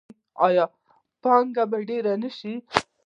آیا پانګونه به ډیره نشي؟